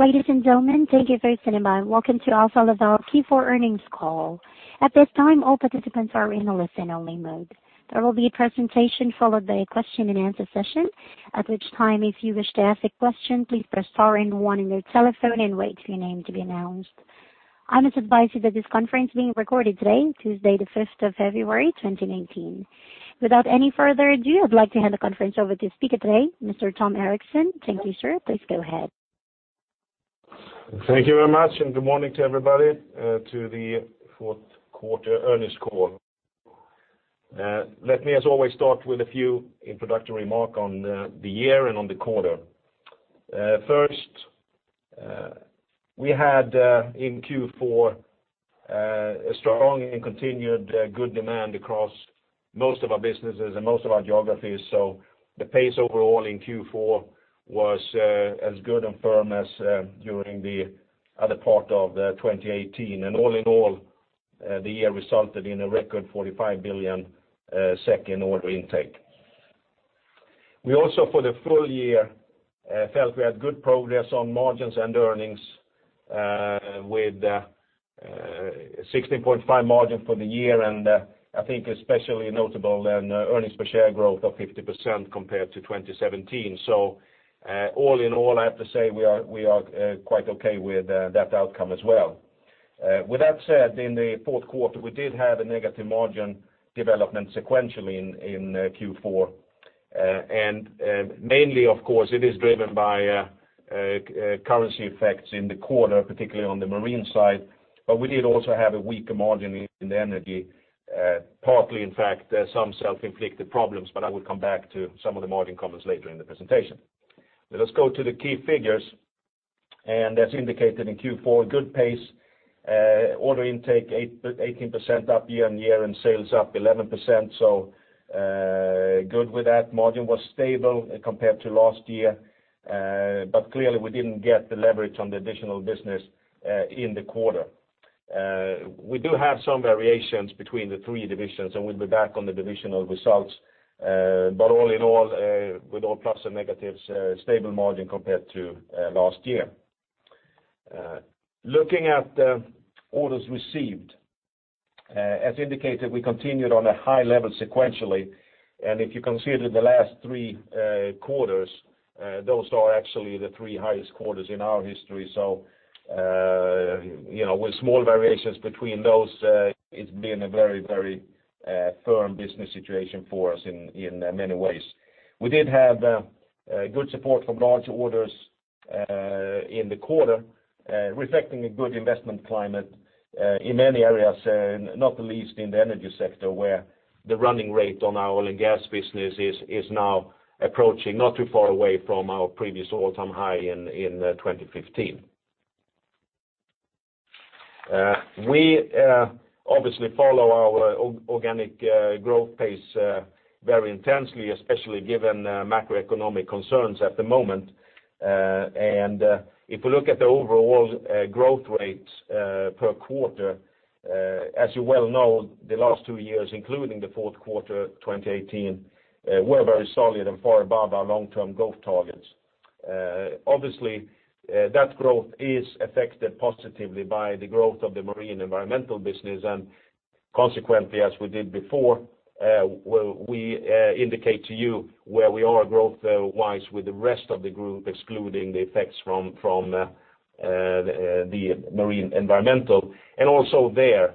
Ladies and gentlemen, thank you very much, and welcome to Alfa Laval's Q4 earnings call. At this time, all participants are in a listen-only mode. There will be a presentation followed by a question and answer session. At which time, if you wish to ask a question, please press star and one on your telephone and wait for your name to be announced. I must advise you that this conference is being recorded today, Tuesday the 5th of February 2019. Without any further ado, I'd like to hand the conference over to the speaker today, Mr. Tom Erixon. Thank you, sir. Please go ahead. Thank you very much, and good morning to everybody to the fourth quarter earnings call. Let me, as always, start with a few introductory remarks on the year and on the quarter. First, we had in Q4, a strong and continued good demand across most of our businesses and most of our geographies. The pace overall in Q4 was as good and firm as during the other part of 2018. All in all, the year resulted in a record 45 billion order intake. We also, for the full year, felt we had good progress on margins and earnings, with 16.5% margin for the year, and I think especially notable an earnings per share growth of 50% compared to 2017. All in all, I have to say we are quite okay with that outcome as well. With that said, in the fourth quarter, we did have a negative margin development sequentially in Q4. Mainly, of course, it is driven by currency effects in the quarter, particularly on the Marine side. We did also have a weaker margin in Energy, partly in fact, some self-inflicted problems, but I will come back to some of the margin comments later in the presentation. Let us go to the key figures. As indicated in Q4, good pace, order intake 18% up year-over-year. Sales up 11%, good with that. Margin was stable compared to last year, but clearly we didn't get the leverage on the additional business in the quarter. We do have some variations between the three divisions, and we'll be back on the divisional results. All in all, with all plus and negatives, stable margin compared to last year. Looking at the orders received. As indicated, we continued on a high level sequentially. If you consider the last three quarters, those are actually the three highest quarters in our history. With small variations between those, it's been a very firm business situation for us in many ways. We did have good support from large orders in the quarter, reflecting a good investment climate in many areas, not the least in the Energy sector where the running rate on our oil and gas business is now approaching, not too far away from our previous all-time high in 2015. We obviously follow our organic growth pace very intensely, especially given macroeconomic concerns at the moment. If we look at the overall growth rates per quarter, as you well know, the last two years, including the fourth quarter 2018, were very solid and far above our long-term growth targets. That growth is affected positively by the growth of the Marine and Environmental business. Consequently, as we did before, we indicate to you where we are growth-wise with the rest of the group, excluding the effects from the Marine Environmental. Also there,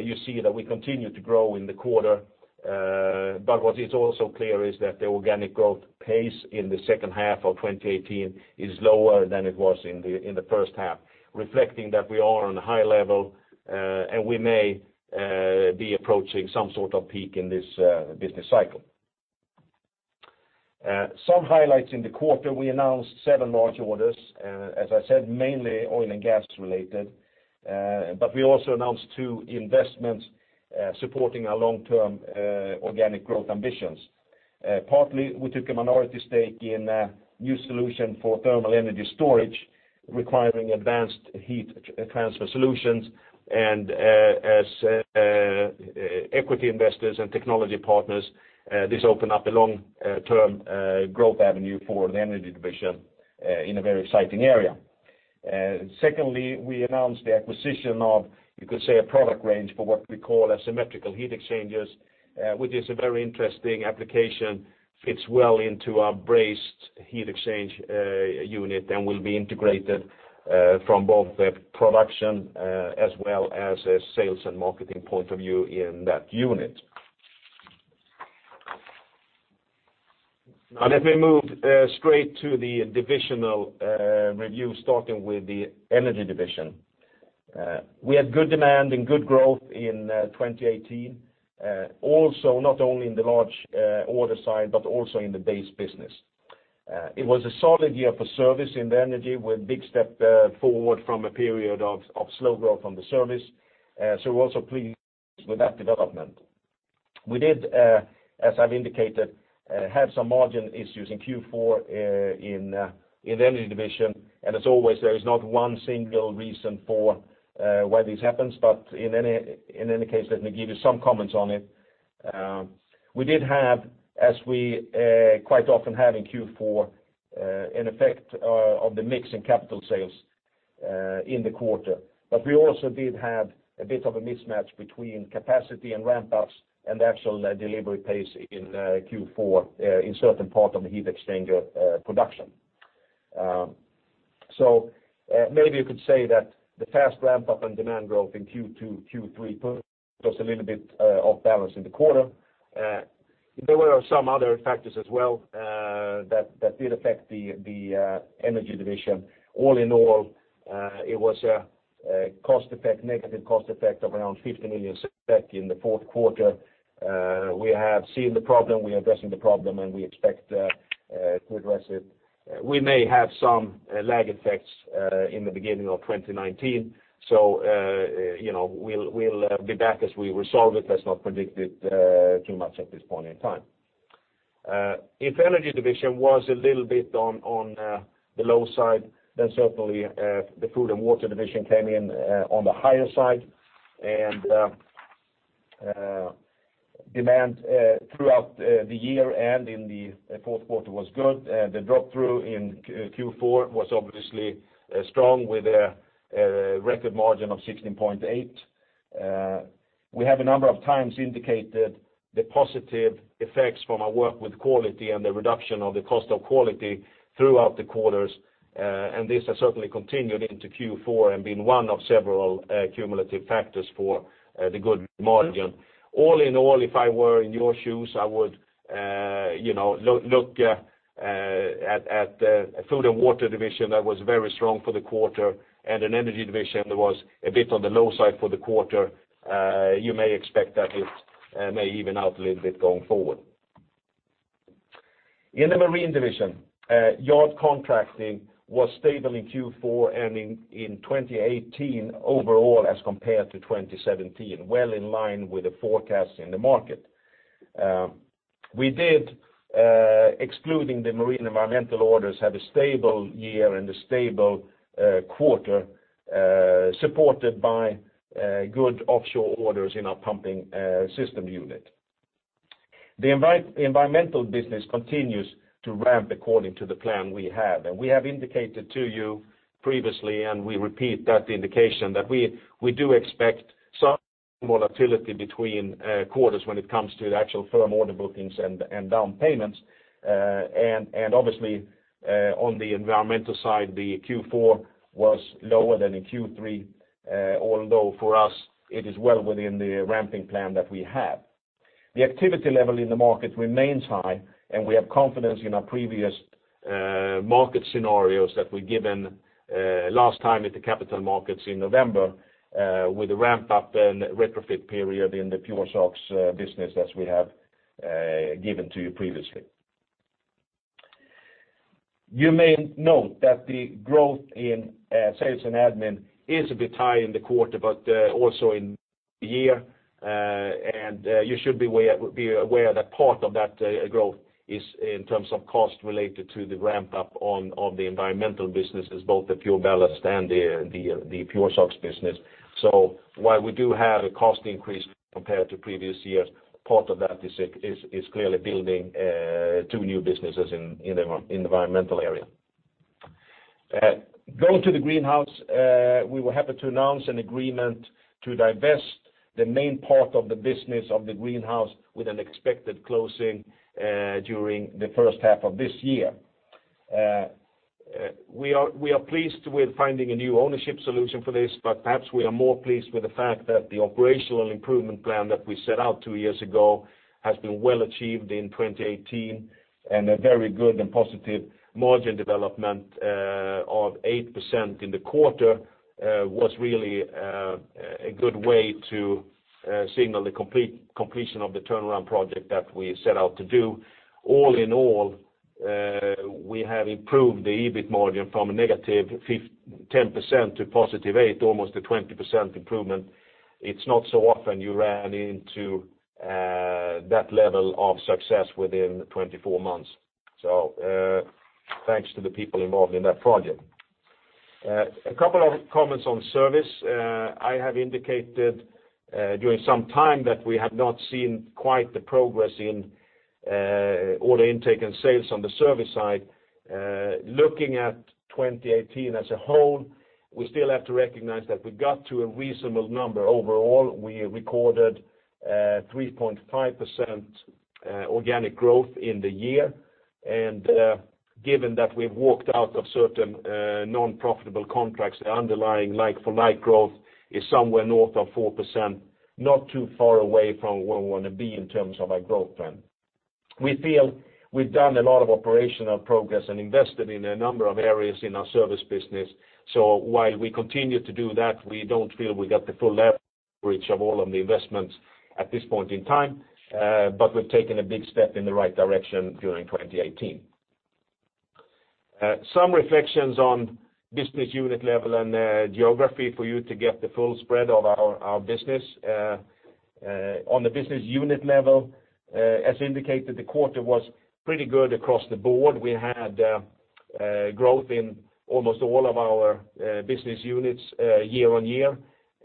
you see that we continue to grow in the quarter. What is also clear is that the organic growth pace in the second half of 2018 is lower than it was in the first half, reflecting that we are on a high level, and we may be approaching some sort of peak in this business cycle. Some highlights in the quarter, we announced seven large orders, as I said, mainly oil and gas related. We also announced two investments supporting our long-term organic growth ambitions. Partly, we took a minority stake in a new solution for thermal energy storage requiring advanced heat transfer solutions. As equity investors and technology partners, this opened up a long-term growth avenue for the Energy Division in a very exciting area. Secondly, we announced the acquisition of, you could say, a product range for what we call asymmetrical heat exchangers, which is a very interesting application, fits well into our braced heat exchange unit and will be integrated from both the production as well as a sales and marketing point of view in that unit. Now let me move straight to the divisional review, starting with the Energy Division. We had good demand and good growth in 2018. Also, not only in the large order side but also in the base business. It was a solid year for service in the Energy Division with a big step forward from a period of slow growth on the service. We're also pleased with that development. We did, as I've indicated, have some margin issues in Q4 in the Energy Division. As always, there is not one single reason for why this happens, but in any case, let me give you some comments on it. We did have, as we quite often have in Q4, an effect of the mix in capital sales in the quarter. We also did have a bit of a mismatch between capacity and ramp-ups and the actual delivery pace in Q4 in a certain part of the heat exchanger production. Maybe you could say that the fast ramp-up and demand growth in Q2, Q3 put us a little bit off balance in the quarter. There were some other factors as well that did affect the Energy Division. All in all, it was a negative cost effect of around 50 million SEK in the fourth quarter. We have seen the problem, we are addressing the problem. We expect to address it. We may have some lag effects in the beginning of 2019. We'll be back as we resolve it. Let's not predict it too much at this point in time. If Energy Division was a little bit on the low side, then certainly the Food & Water Division came in on the higher side. Demand throughout the year and in the fourth quarter was good. The drop-through in Q4 was obviously strong, with a record margin of 16.8%. We have a number of times indicated the positive effects from our work with quality and the reduction of the cost of quality throughout the quarters. This has certainly continued into Q4 and been one of several cumulative factors for the good margin. All in all, if I were in your shoes, I would look at the Food & Water Division that was very strong for the quarter, and an Energy Division that was a bit on the low side for the quarter. You may expect that it may even out a little bit going forward. In the Marine Division, yard contracting was stable in Q4 and in 2018 overall as compared to 2017, well in line with the forecast in the market. We did, excluding the marine environmental orders, have a stable year and a stable quarter, supported by good offshore orders in our pumping system unit. The environmental business continues to ramp according to the plan we have. We have indicated to you previously, and we repeat that indication, that we do expect some volatility between quarters when it comes to the actual firm order bookings and down payments. Obviously, on the environmental side, the Q4 was lower than in Q3, although for us it is well within the ramping plan that we have. The activity level in the market remains high. We have confidence in our previous market scenarios that we've given last time at the Capital Markets Day in November, with the ramp-up and retrofit period in the PureSOx business as we have given to you previously. You may note that the growth in sales and admin is a bit high in the quarter, but also in the year. You should be aware that part of that growth is in terms of cost related to the ramp-up of the environmental businesses, both the PureBallast and the PureSOx business. While we do have a cost increase compared to previous years, part of that is clearly building two new businesses in the environmental area. Going to the Greenhouse, we were happy to announce an agreement to divest the main part of the business of the Greenhouse with an expected closing during the first half of this year. We are pleased with finding a new ownership solution for this. Perhaps we are more pleased with the fact that the operational improvement plan that we set out two years ago has been well achieved in 2018. A very good and positive margin development of 8% in the quarter was really a good way to signal the completion of the turnaround project that we set out to do. All in all, we have improved the EBIT margin from a -10% to +8%, almost a 20% improvement. It's not so often you ran into that level of success within 24 months. Thanks to the people involved in that project. A couple of comments on service. I have indicated during some time that we have not seen quite the progress in order intake and sales on the service side. Looking at 2018 as a whole, we still have to recognize that we got to a reasonable number overall. We recorded 3.5% organic growth in the year, and given that we've walked out of certain non-profitable contracts underlying, like-for-like growth is somewhere north of 4%, not too far away from where we want to be in terms of our growth plan. We feel we've done a lot of operational progress and invested in a number of areas in our service business. While we continue to do that, we don't feel we got the full leverage of all of the investments at this point in time. We've taken a big step in the right direction during 2018. Some reflections on business unit level and geography for you to get the full spread of our business. On the business unit level, as indicated, the quarter was pretty good across the board. We had growth in almost all of our business units year-on-year,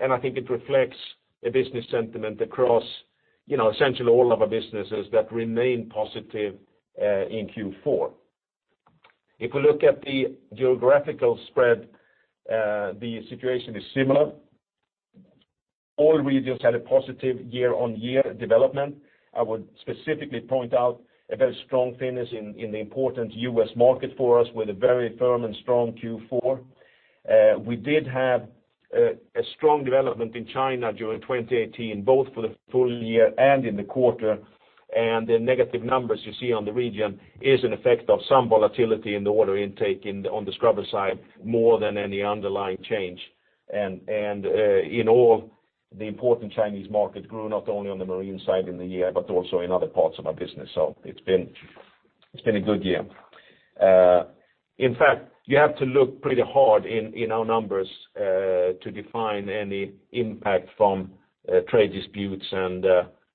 and I think it reflects the business sentiment across essentially all of our businesses that remain positive in Q4. If we look at the geographical spread, the situation is similar. All regions had a positive year-on-year development. I would specifically point out a very strong finish in the important U.S. market for us, with a very firm and strong Q4. We did have a strong development in China during 2018, both for the full year and in the quarter, and the negative numbers you see on the region is an effect of some volatility in the order intake on the scrubber side more than any underlying change. In all, the important Chinese market grew not only on the marine side in the year, but also in other parts of our business. It's been a good year. In fact, you have to look pretty hard in our numbers to define any impact from trade disputes and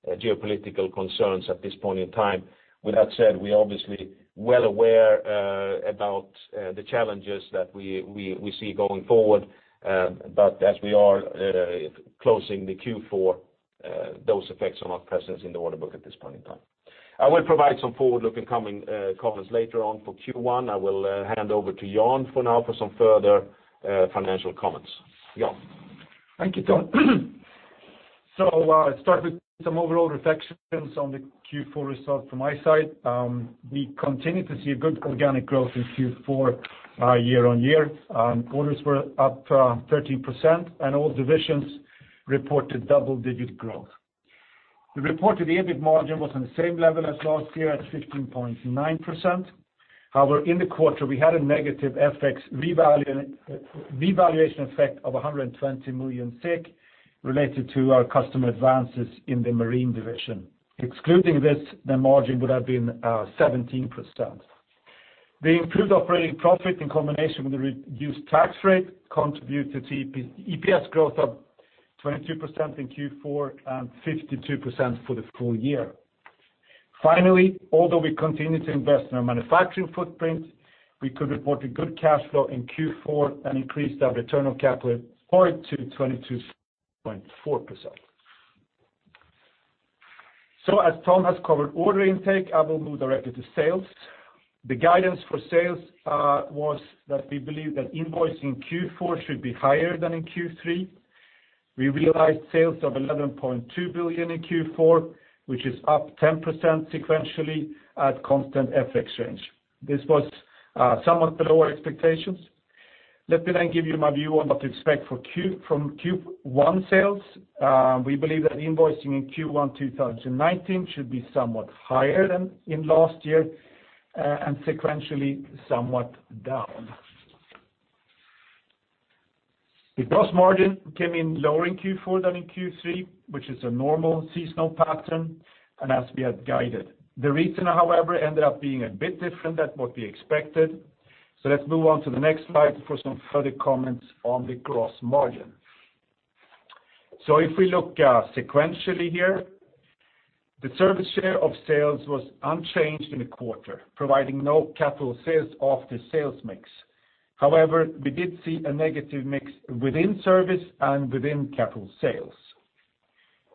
geopolitical concerns at this point in time. With that said, we're obviously well aware about the challenges that we see going forward. As we are closing the Q4, those effects are not present in the order book at this point in time. I will provide some forward-looking comments later on for Q1. I will hand over to Jan for now for some further financial comments. Jan? Thank you, Tom. Let's start with some overall reflections on the Q4 results from my side. We continue to see a good organic growth in Q4 year-on-year. Orders were up 13%, and all divisions reported double-digit growth. The reported EBIT margin was on the same level as last year at 15.9%. However, in the quarter, we had a negative FX revaluation effect of 120 million, related to our customer advances in the Marine Division. Excluding this, the margin would have been 17%. The improved operating profit in combination with the reduced tax rate contributed to EPS growth of 22% in Q4 and 52% for the full year. Finally, although we continue to invest in our manufacturing footprint, we could report a good cash flow in Q4 and increased our return on capital employed to 22.4%. As Tom has covered order intake, I will move directly to sales. The guidance for sales was that we believe that invoicing Q4 should be higher than in Q3. We realized sales of 11.2 billion in Q4, which is up 10% sequentially at constant FX change. This was somewhat below expectations. Let me then give you my view on what to expect from Q1 sales. We believe that invoicing in Q1 2019 should be somewhat higher than in last year, and sequentially somewhat down. The gross margin came in lower in Q4 than in Q3, which is a normal seasonal pattern, and as we had guided. The regional, however, ended up being a bit different than what we expected. Let's move on to the next slide for some further comments on the gross margin. If we look sequentially here, the service share of sales was unchanged in the quarter, providing no capital sales off the sales mix. We did see a negative mix within service and within capital sales.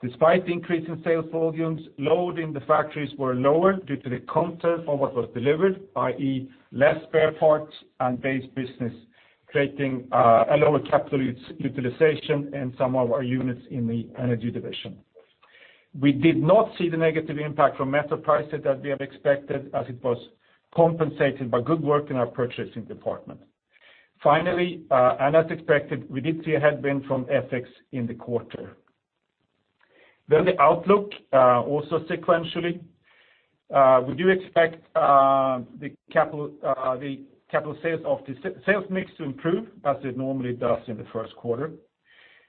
Despite the increase in sales volumes, load in the factories were lower due to the counter for what was delivered, i.e., less spare parts and base business, creating a lower capital utilization in some of our units in the Energy Division. We did not see the negative impact from metal prices as we had expected, as it was compensated by good work in our purchasing department. Finally, as expected, we did see a headwind from FX in the quarter. The outlook, also sequentially. We do expect the capital sales of the sales mix to improve as it normally does in the first quarter.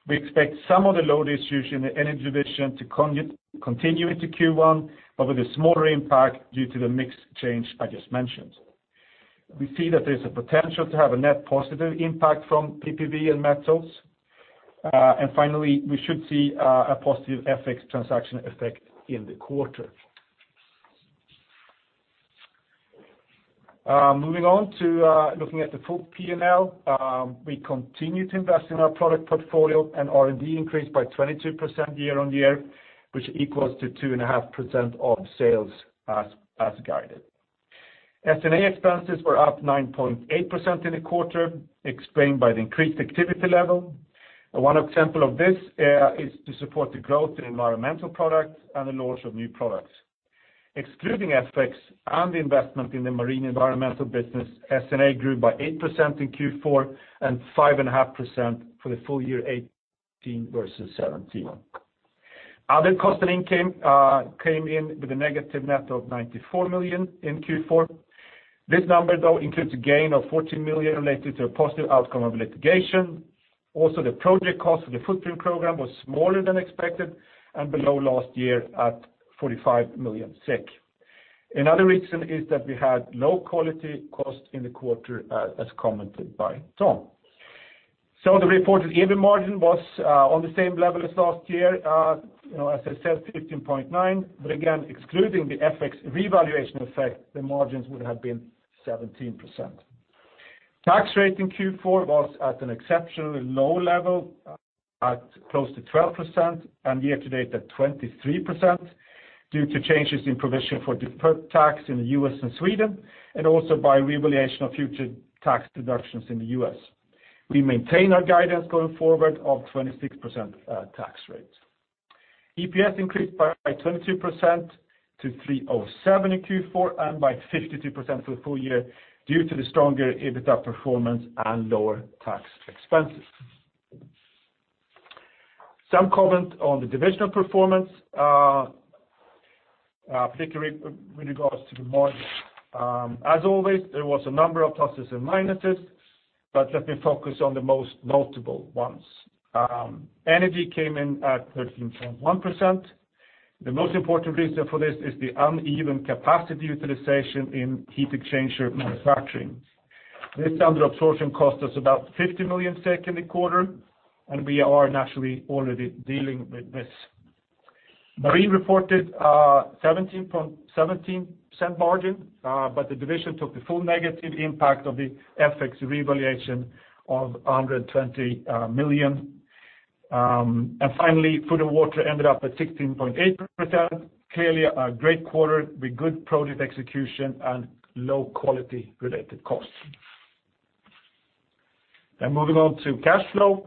We expect some of the load issues in the Energy Division to continue into Q1, but with a smaller impact due to the mix change I just mentioned. We see that there's a potential to have a net positive impact from PPV and metals. Finally, we should see a positive FX transaction effect in the quarter. Moving on to looking at the full P&L. We continue to invest in our product portfolio, R&D increased by 22% year-on-year, which equals to 2.5% of sales as guided. S&A expenses were up 9.8% in the quarter, explained by the increased activity level. One example of this is to support the growth in environmental products and the launch of new products. Excluding FX and the investment in the Marine environmental business, S&A grew by 8% in Q4 and 5.5% for the full year 2018 versus 2017. Other costs came in with a negative net of 94 million in Q4. This number, though, includes a gain of 14 million related to a positive outcome of litigation. The project cost of the footprint program was smaller than expected and below last year at 45 million SEK. Another reason is that we had low quality cost in the quarter, as commented by Tom. The reported EBIT margin was on the same level as last year, as I said, 15.9%. Again, excluding the FX revaluation effect, the margins would have been 17%. Tax rate in Q4 was at an exceptionally low level at close to 12% and year to date at 23% due to changes in provision for deferred tax in the U.S. and Sweden, and also by revaluation of future tax deductions in the U.S. We maintain our guidance going forward of 26% tax rate. EPS increased by 22% to 307 in Q4 and by 52% for the full year due to the stronger EBITDA performance and lower tax expenses. Some comment on the divisional performance, particularly with regards to the margin. As always, there was a number of pluses and minuses, but let me focus on the most notable ones. Energy Division came in at 13.1%. The most important reason for this is the uneven capacity utilization in heat exchanger manufacturing. This under absorption cost us about 50 million SEK in the quarter, and we are naturally already dealing with this. Marine Division reported a 17% margin, but the division took the full negative impact of the FX revaluation of 120 million. Finally, Food & Water Division ended up at 16.8%, clearly a great quarter with good project execution and low quality related costs. Moving on to cash flow.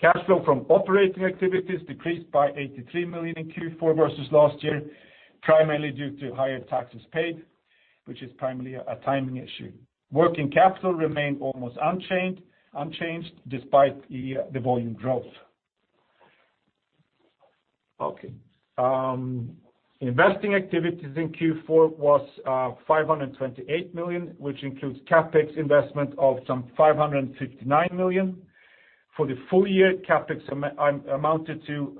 Cash flow from operating activities decreased by 83 million in Q4 versus last year, primarily due to higher taxes paid, which is primarily a timing issue. Working capital remained almost unchanged despite the volume growth. Investing activities in Q4 was 528 million, which includes CapEx investment of some 559 million. For the full year, CapEx amounted to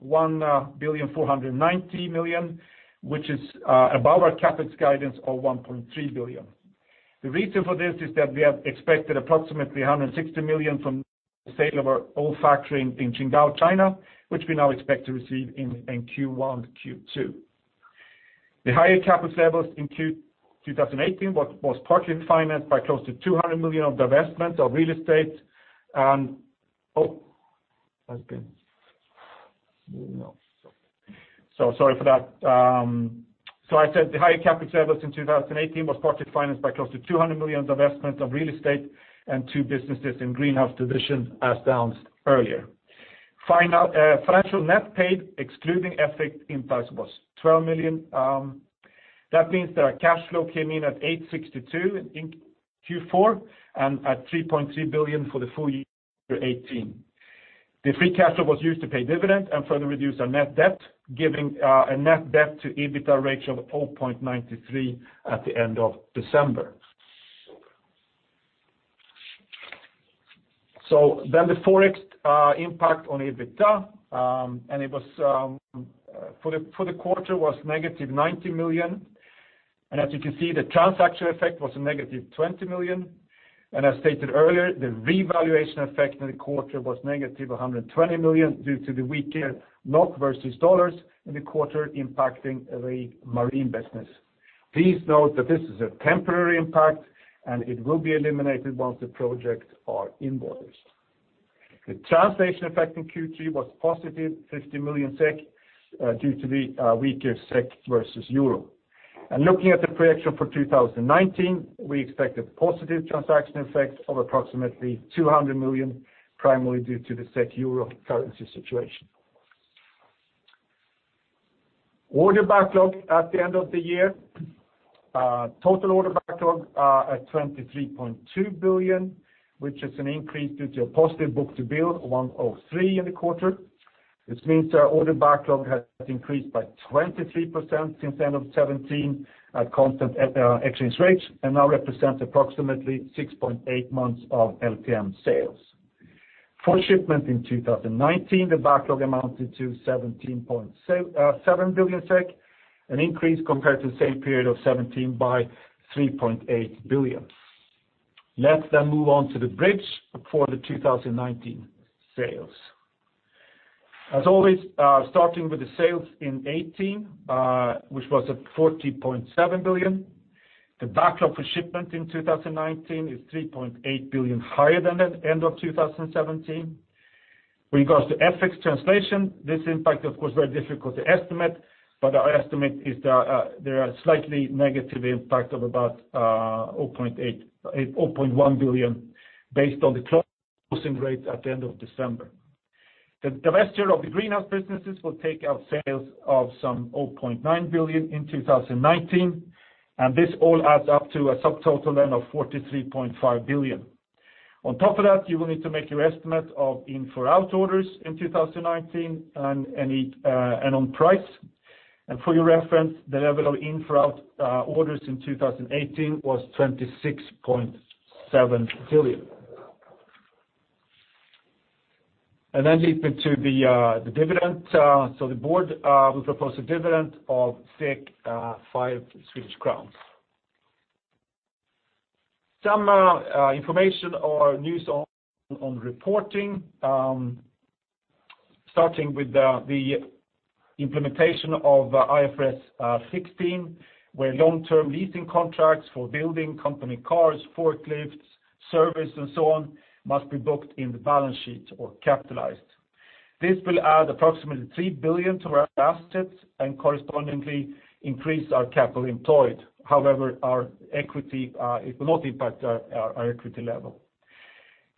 1,490 million, which is above our CapEx guidance of 1.3 billion. The reason for this is that we have expected approximately 160 million from the sale of our old factory in Qingdao, China, which we now expect to receive in Q1, Q2. The higher CapEx levels in 2018 was partly financed by close to 200 million of divestment of real estate and I said the higher CapEx levels in 2018 was partly financed by close to 200 million of divestment of real estate and two businesses in Greenhouse Division, as announced earlier. Financial net paid, excluding FX impact, was 12 million. That means that our cash flow came in at 862 million in Q4 and at 3.3 billion for the full year 2018. The free cash flow was used to pay dividend and further reduce our net debt, giving a net debt to EBITDA ratio of 0.93 at the end of December. The FX impact on EBITDA for the quarter was -90 million. As you can see, the transaction effect was a -20 million. As stated earlier, the revaluation effect in the quarter was -120 million due to the weaker NOK versus USD in the quarter impacting the Marine Division business. Please note that this is a temporary impact and it will be eliminated once the projects are invoiced. The translation effect in Q3 was +50 million due to the weaker SEK versus euro. Looking at the projection for 2019, we expect a positive transaction effect of approximately 200 million, primarily due to the SEK/EUR currency situation. Order backlog at the end of the year. Total order backlog at 23.2 billion, which is an increase due to a positive book-to-bill of 103% in the quarter. This means our order backlog has increased by 23% since the end of 2017 at constant exchange rates and now represents approximately 6.8 months of LTM sales. For shipment in 2019, the backlog amounted to 17.7 billion SEK, an increase compared to the same period of 2017 by 3.8 billion. Let's move on to the bridge for the 2019 sales. As always, starting with the sales in 2018, which was at 14.7 billion. The backlog for shipment in 2019 is 3.8 billion higher than at end of 2017. With regards to FX translation, this impact, of course, very difficult to estimate, but our estimate is that there are slightly negative impact of about 0.1 billion based on the closing rates at the end of December. The divestiture of the Greenhouse will take out sales of some 0.9 billion in 2019. This all adds up to a subtotal then of 43.5 billion. On top of that, you will need to make your estimate of in-for-out orders in 2019 and on price. For your reference, the level of in-for-out orders in 2018 was 26.7 billion. Leaping to the dividend. The board will propose a dividend of 5 Swedish crowns. Some information or news on reporting, starting with the implementation of IFRS 16, where long-term leasing contracts for building, company cars, forklifts, service, and so on, must be booked in the balance sheet or capitalized. This will add approximately 3 billion to our assets and correspondingly increase our capital employed. It will not impact our equity level.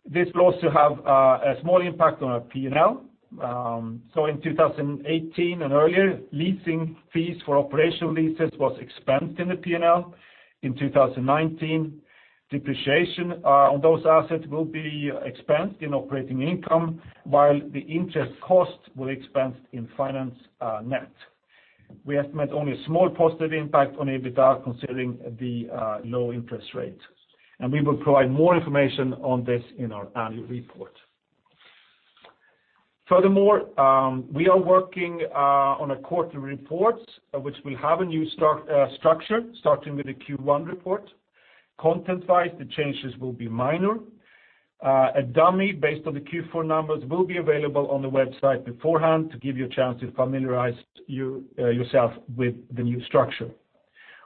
This will also have a small impact on our P&L. In 2018 and earlier, leasing fees for operational leases was expensed in the P&L. In 2019, depreciation on those assets will be expensed in operating income, while the interest cost will expense in finance net. We estimate only a small positive impact on EBITDA considering the low interest rate. We will provide more information on this in our annual report. Furthermore, we are working on a quarterly report, which will have a new structure starting with the Q1 report. Content-wise, the changes will be minor. A dummy based on the Q4 numbers will be available on the website beforehand to give you a chance to familiarize yourself with the new structure.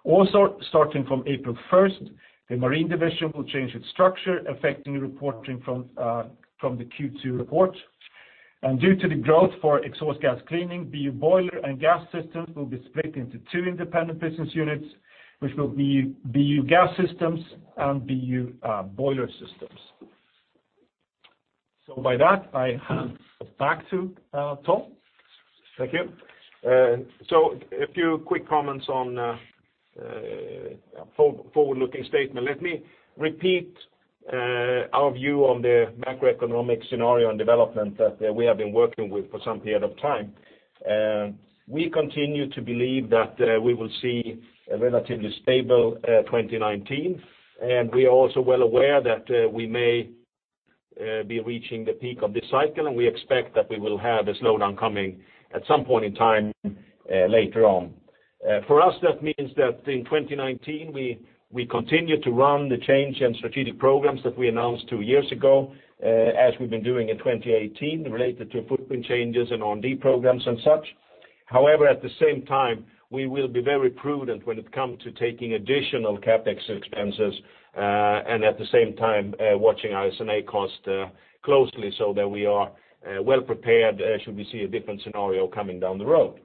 Also, starting from April 1st, the Marine Division will change its structure, affecting reporting from the Q2 report. Due to the growth for exhaust gas cleaning, BU Boiler and Gas Systems will be split into two independent business units, which will be BU Gas Systems and BU Boiler Systems. With that, I hand it back to Tom. Thank you. A few quick comments on forward-looking statement. Let me repeat our view on the macroeconomic scenario and development that we have been working with for some period of time. We continue to believe that we will see a relatively stable 2019. We are also well aware that we may be reaching the peak of this cycle. We expect that we will have a slowdown coming at some point in time later on. For us, that means that in 2019, we continue to run the change in strategic programs that we announced two years ago, as we've been doing in 2018, related to footprint changes and R&D programs and such. At the same time, we will be very prudent when it comes to taking additional CapEx expenses, and at the same time, watching our S&A cost closely so that we are well prepared should we see a different scenario coming down the road.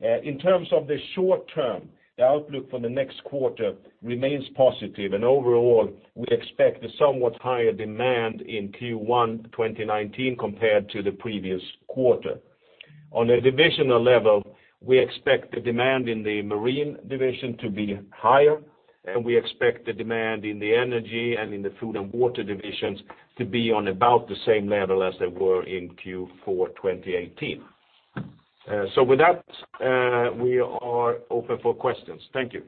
In terms of the short term, the outlook for the next quarter remains positive, and overall, we expect a somewhat higher demand in Q1 2019 compared to the previous quarter. On a divisional level, we expect the demand in the Marine Division to be higher, and we expect the demand in the Energy Division and in the Food & Water Division to be on about the same level as they were in Q4 2018. With that, we are open for questions. Thank you.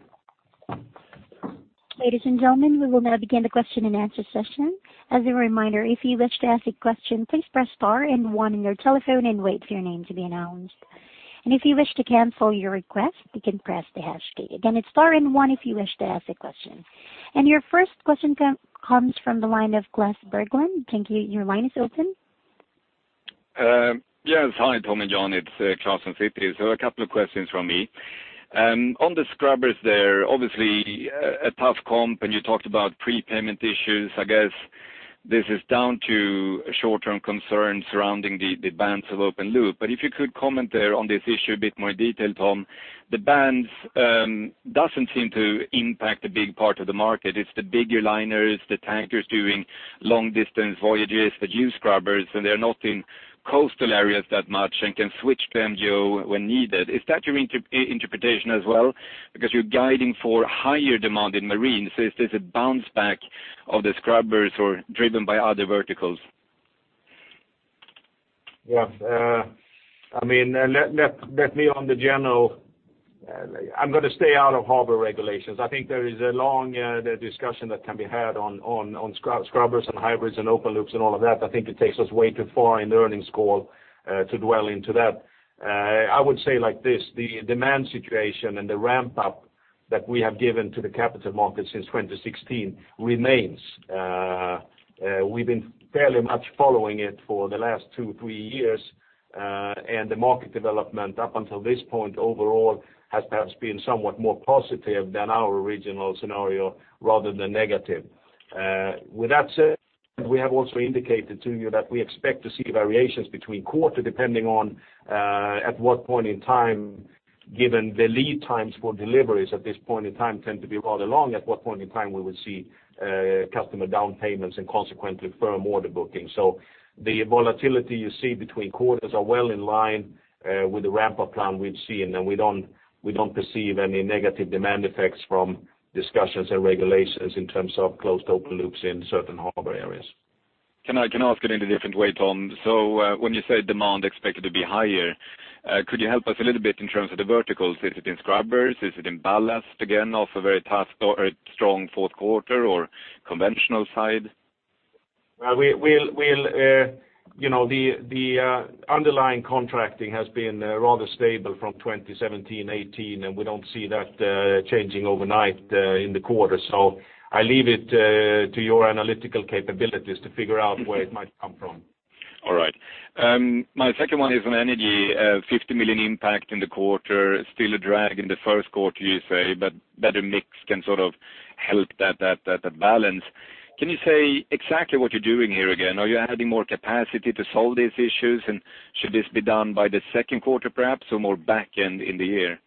Ladies and gentlemen, we will now begin the question-and-answer session. As a reminder, if you wish to ask a question, please press star and one on your telephone and wait for your name to be announced. If you wish to cancel your request, you can press the hash key. It's star and one if you wish to ask a question. Your first question comes from the line of Klas Bergelind. Thank you. Your line is open. Yes. Hi, Tom and Jan. It's Klas from Citi. A couple of questions from me. On the scrubbers there, obviously a tough comp, and you talked about prepayment issues. I guess this is down to short-term concerns surrounding the bans of open loop. If you could comment there on this issue a bit more detail, Tom. The bans doesn't seem to impact a big part of the market. It's the bigger liners, the tankers doing long-distance voyages that use scrubbers, and they're not in coastal areas that much and can switch to MGO when needed. Is that your interpretation as well? You're guiding for higher demand in Marine. Is this a bounce back of the scrubbers or driven by other verticals? I'm going to stay out of harbor regulations. I think there is a long discussion that can be had on scrubbers and hybrids and open loops and all of that. I think it takes us way too far in the earnings call to dwell into that. I would say like this, the demand situation and the ramp-up that we have given to the capital market since 2016 remains. We've been fairly much following it for the last two, three years, and the market development up until this point overall has perhaps been somewhat more positive than our original scenario rather than negative. With that said, we have also indicated to you that we expect to see variations between quarters depending on at what point in time, given the lead times for deliveries at this point in time tend to be rather long, at what point in time we would see customer down payments and consequently firm order booking. The volatility you see between quarters are well in line with the ramp-up plan we've seen, and we don't perceive any negative demand effects from discussions and regulations in terms of closed open loops in certain harbor areas. Can I ask it in a different way, Tom? When you say demand expected to be higher. Could you help us a little bit in terms of the verticals? Is it in scrubbers? Is it in ballast again, off a very strong fourth quarter or conventional side? The underlying contracting has been rather stable from 2017, 2018, and we don't see that changing overnight in the quarter. I leave it to your analytical capabilities to figure out where it might come from. All right. My second one is on Energy. 50 million impact in the quarter. Still a drag in the first quarter, you say, but better mix can sort of help that balance. Can you say exactly what you're doing here again? Are you adding more capacity to solve these issues? Should this be done by the second quarter, perhaps, or more back end in the year?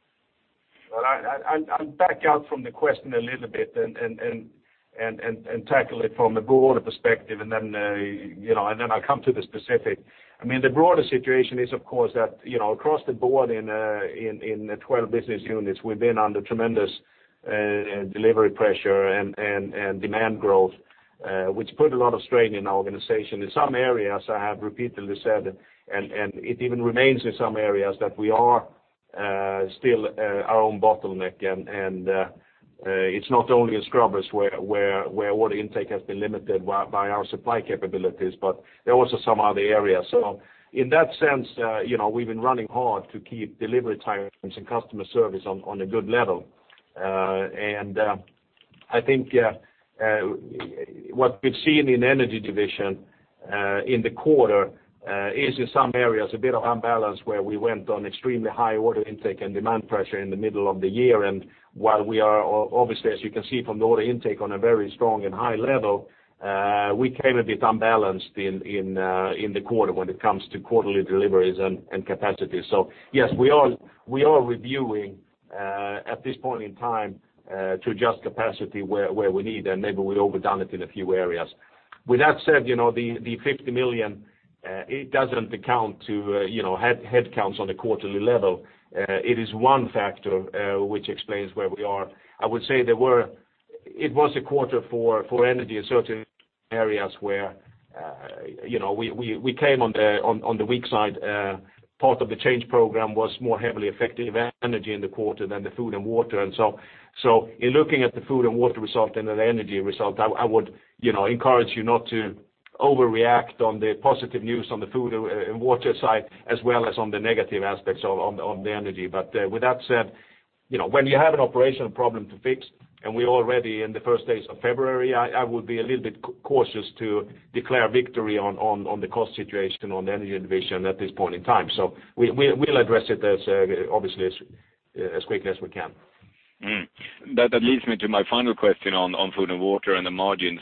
I'll back out from the question a little bit and tackle it from a broader perspective, and then I'll come to the specific. The broader situation is, of course, that across the board in the 12 business units, we've been under tremendous delivery pressure and demand growth, which put a lot of strain in our organization. In some areas, I have repeatedly said, and it even remains in some areas, that we are still our own bottleneck, and it's not only in scrubbers where order intake has been limited by our supply capabilities, but there are also some other areas. In that sense, we've been running hard to keep delivery times and customer service on a good level. I think what we've seen in Energy Division in the quarter is in some areas a bit of unbalance where we went on extremely high order intake and demand pressure in the middle of the year. While we are obviously, as you can see from the order intake, on a very strong and high level, we came a bit unbalanced in the quarter when it comes to quarterly deliveries and capacity. Yes, we are reviewing at this point in time to adjust capacity where we need, and maybe we've overdone it in a few areas. With that said, the 50 million, it doesn't count to headcounts on a quarterly level. It is one factor which explains where we are. I would say it was a quarter for Energy in certain areas where we came on the weak side. Part of the change program was more heavily effective Energy in the quarter than the Food & Water. In looking at the Food & Water result and the Energy result, I would encourage you not to overreact on the positive news on the Food & Water side, as well as on the negative aspects of the Energy. With that said, when you have an operational problem to fix, and we already in the first days of February, I would be a little bit cautious to declare victory on the cost situation on the Energy Division at this point in time. We'll address it obviously as quickly as we can. That leads me to my final question on Food & Water and the margin.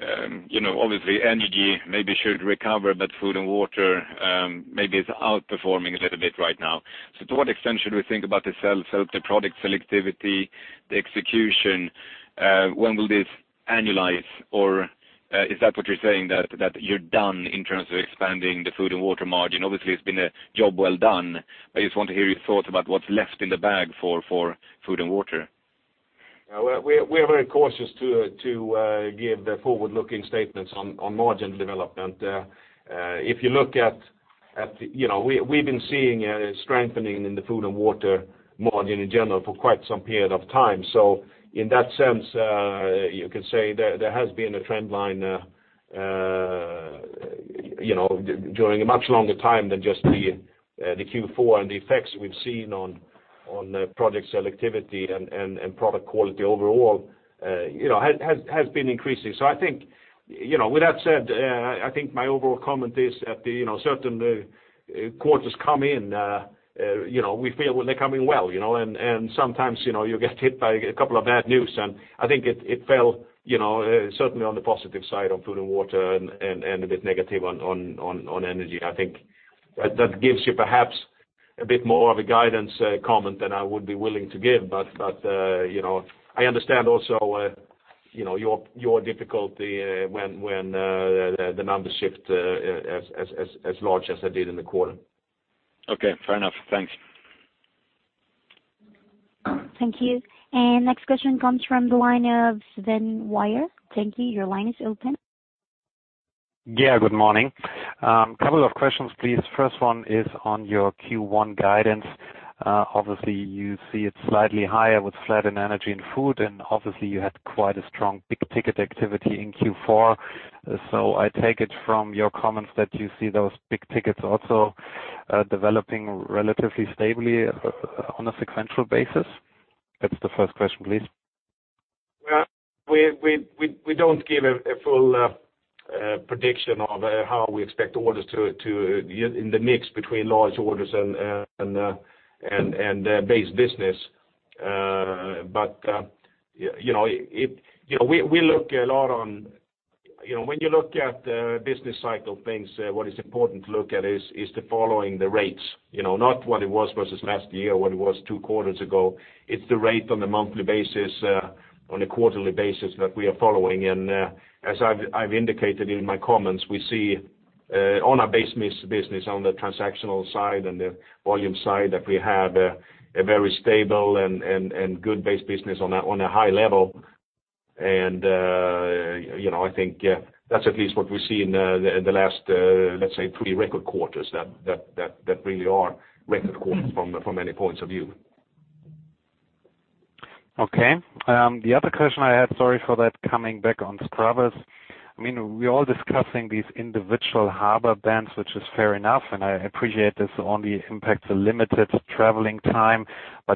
You're saying here that, obviously Energy maybe should recover, but Food & Water maybe is outperforming a little bit right now. To what extent should we think about the sell self, the product selectivity, the execution? When will this annualize? Is that what you're saying, that you're done in terms of expanding the Food & Water margin? Obviously, it's been a job well done. I just want to hear your thoughts about what's left in the bag for Food & Water. We are very cautious to give the forward-looking statements on margin development. We've been seeing a strengthening in the Food & Water Division margin in general for quite some period of time. In that sense, you could say there has been a trend line during a much longer time than just the Q4 and the effects we've seen on project selectivity and product quality overall has been increasing. I think with that said, I think my overall comment is that certain quarters come in, we feel when they come in well. Sometimes you get hit by a couple of bad news, and I think it fell certainly on the positive side on Food & Water Division and a bit negative on Energy Division. I think that gives you perhaps a bit more of a guidance comment than I would be willing to give. I understand also your difficulty when the numbers shift as large as they did in the quarter. Okay, fair enough. Thanks. Thank you. Next question comes from the line of Sven Weier. Thank you. Your line is open. Yeah, good morning. Couple of questions, please. First one is on your Q1 guidance. Obviously, you see it slightly higher with flat in energy and food, and obviously you had quite a strong big-ticket activity in Q4. I take it from your comments that you see those big tickets also developing relatively stably on a sequential basis. That is the first question, please. We do not give a full prediction of how we expect orders in the mix between large orders and base business. When you look at business cycle things, what is important to look at is the following the rates. Not what it was versus last year, what it was two quarters ago. It is the rate on a monthly basis, on a quarterly basis that we are following. As I have indicated in my comments, we see on our base business, on the transactional side and the volume side, that we have a very stable and good base business on a high level. I think that is at least what we see in the last, let us say, three record quarters, that really are record quarters from many points of view. Okay. The other question I had, sorry for that, coming back on scrubbers. We are all discussing these individual harbor bans, which is fair enough, and I appreciate this only impacts a limited traveling time.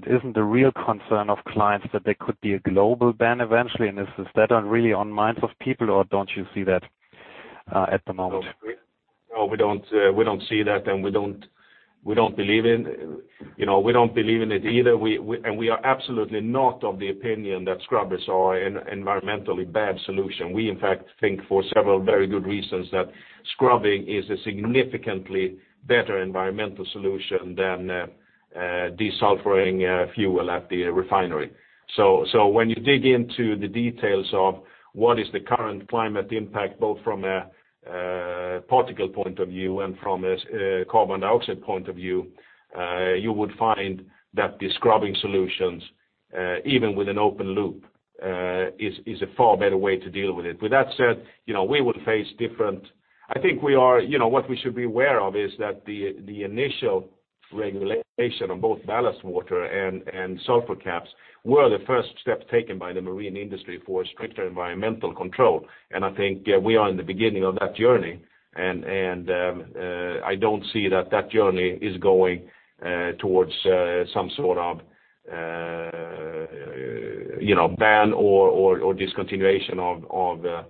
Isn't the real concern of clients that there could be a global ban eventually? Is that on really on minds of people, or do not you see that at the moment? No, we do not see that and we do not believe in it either. We are absolutely not of the opinion that scrubbers are an environmentally bad solution. We, in fact, think for several very good reasons that scrubbing is a significantly better environmental solution than desulfuring fuel at the refinery. When you dig into the details of what is the current climate impact, both from a particle point of view and from a carbon dioxide point of view, you would find that the scrubbing solutions, even with an open loop, is a far better way to deal with it. With that said, what we should be aware of is that the initial regulation on both ballast water and sulfur caps were the first steps taken by the marine industry for stricter environmental control. I think we are in the beginning of that journey. I don't see that that journey is going towards some sort of ban or discontinuation of the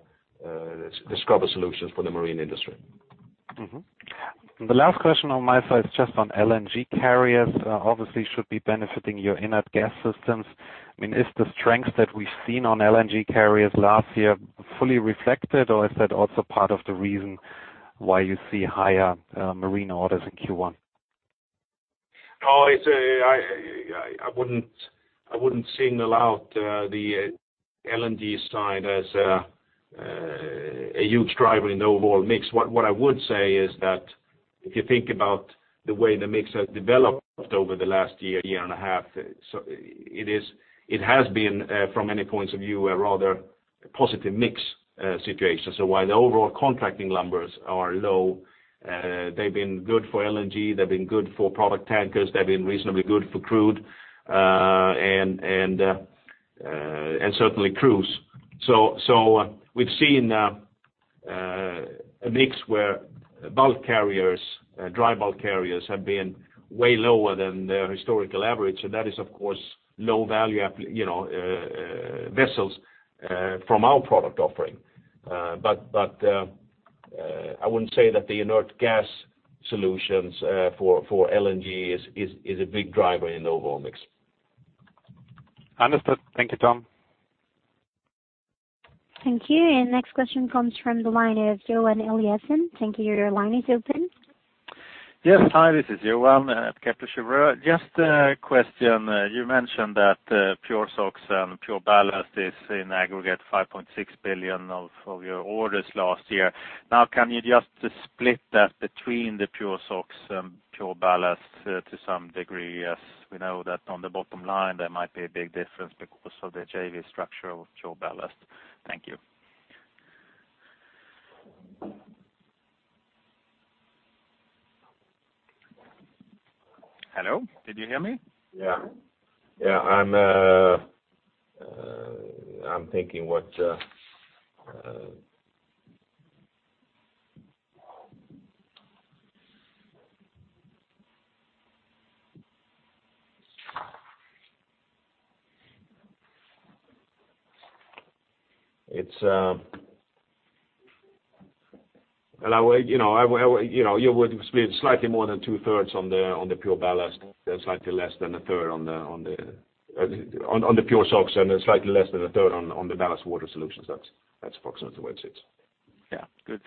scrubber solutions for the marine industry. Mm-hmm. The last question on my side is just on LNG carriers, obviously should be benefiting your inert gas systems. Is the strength that we've seen on LNG carriers last year fully reflected, or is that also part of the reason why you see higher marine orders in Q1? I wouldn't single out the LNG side as a huge driver in the overall mix. What I would say is that if you think about the way the mix has developed over the last year and a half, it has been, from many points of view, a rather positive mix situation. While the overall contracting numbers are low, they've been good for LNG, they've been good for product tankers, they've been reasonably good for crude, and certainly cruise. We've seen a mix where bulk carriers, dry bulk carriers, have been way lower than their historical average. That is, of course, low value vessels from our product offering. I wouldn't say that the inert gas solutions for LNG is a big driver in the overall mix. Understood. Thank you, Tom. Thank you. Next question comes from the line of Johan Eliason. Thank you, your line is open. Yes. Hi, this is Johan at Kepler Cheuvreux. Just a question. You mentioned that PureSOx and PureBallast is in aggregate 5.6 billion of your orders last year. Can you just split that between the PureSOx and PureBallast to some degree? As we know that on the bottom line, there might be a big difference because of the JV structure of PureBallast. Thank you. Hello, did you hear me? Yeah. I'm thinking what you would split slightly more than two-thirds on the PureBallast and slightly less than a third on the PureSOx, and then slightly less than a third on the ballast water solutions. That's approximately where it sits. Yeah. Good.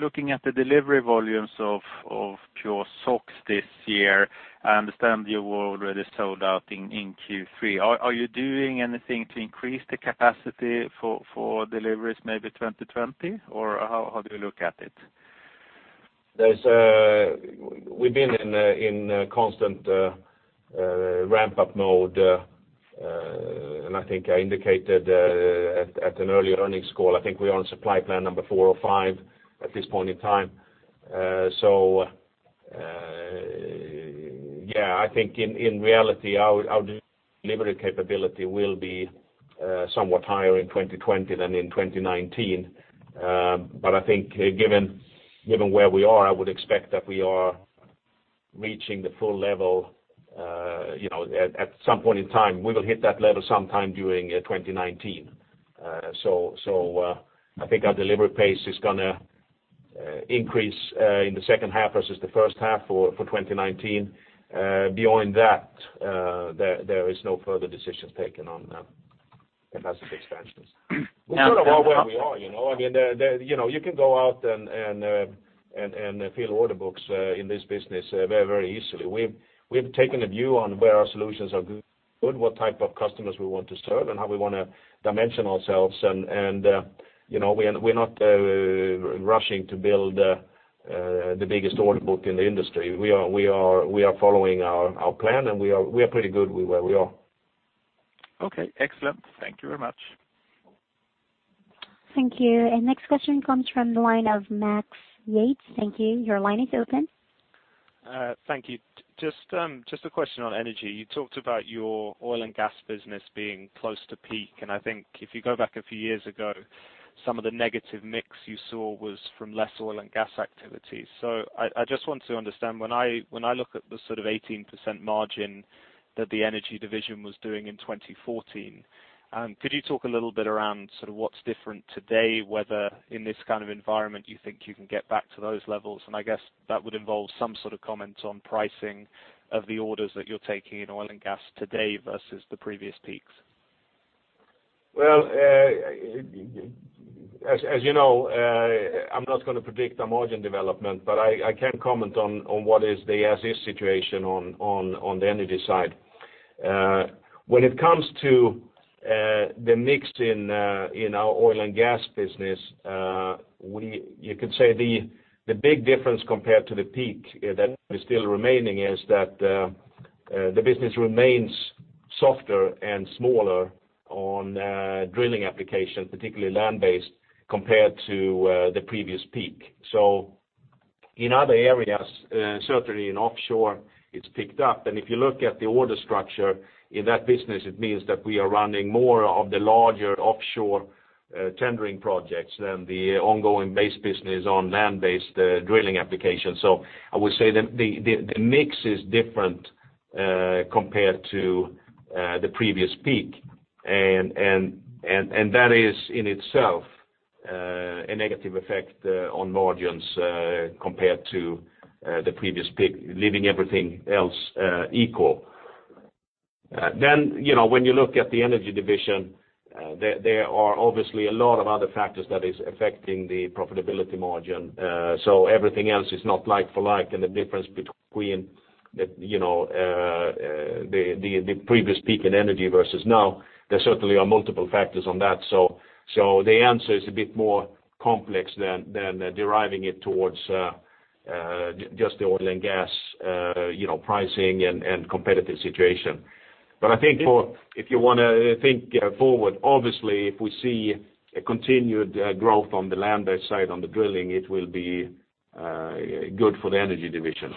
Looking at the delivery volumes of PureSOx this year, I understand you were already sold out in Q3. Are you doing anything to increase the capacity for deliveries maybe 2020, or how do you look at it? We've been in a constant ramp-up mode. I think I indicated at an earlier earnings call, I think we are on supply plan number four or five at this point in time. Yeah, I think in reality, our delivery capability will be somewhat higher in 2020 than in 2019. I think given where we are, I would expect that we are reaching the full level at some point in time. We will hit that level sometime during 2019. I think our delivery pace is going to increase in the second half versus the first half for 2019. Beyond that, there is no further decisions taken on capacity expansions. We sort of are where we are. You can go out and fill order books in this business very, very easily. We've taken a view on where our solutions are good, what type of customers we want to serve, and how we want to dimension ourselves. We're not rushing to build the biggest order book in the industry. We are following our plan, we are pretty good with where we are. Okay, excellent. Thank you very much. Thank you. Next question comes from the line of Max Yates. Thank you. Your line is open. Thank you. Just a question on Energy. You talked about your oil and gas business being close to peak, and I think if you go back a few years ago, some of the negative mix you saw was from less oil and gas activity. I just want to understand, when I look at the 18% margin that the Energy Division was doing in 2014, could you talk a little bit around what's different today, whether in this kind of environment you think you can get back to those levels? I guess that would involve some sort of comment on pricing of the orders that you're taking in oil and gas today versus the previous peaks. Well, as you know, I'm not going to predict a margin development, but I can comment on what is the as-is situation on the energy side. When it comes to the mix in our oil and gas business, you could say the big difference compared to the peak that is still remaining is that the business remains softer and smaller on drilling applications, particularly land-based, compared to the previous peak. In other areas, certainly in offshore, it's picked up. If you look at the order structure in that business, it means that we are running more of the larger offshore tendering projects than the ongoing base business on land-based drilling applications. I would say the mix is different compared to the previous peak, that is in itself a negative effect on margins compared to the previous peak, leaving everything else equal. When you look at the Energy Division, there are obviously a lot of other factors that is affecting the profitability margin. Everything else is not like for like, the difference between the previous peak in Energy versus now, there certainly are multiple factors on that. The answer is a bit more complex than deriving it towards just the oil and gas pricing and competitive situation. I think if you want to think forward, obviously, if we see a continued growth on the land-based side on the drilling, it will be good for the Energy Division.